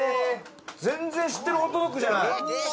全然知ってるホットドッグじゃない！